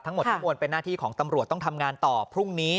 ทั้งหมดทั้งมวลเป็นหน้าที่ของตำรวจต้องทำงานต่อพรุ่งนี้